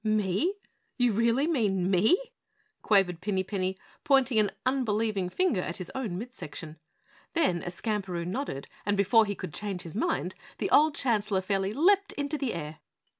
"Me? You really mean me?" quavered Pinny Penny, pointing an unbelieving finger at his own mid section. Then, as Skamperoo nodded and before he could change his mind, the old Chancellor fairly leapt into the air.